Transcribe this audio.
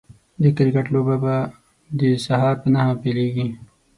د کرکټ لوبه به د سهار په نهه پيليږي